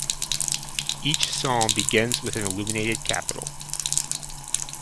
Each psalm begins with an illuminated capital.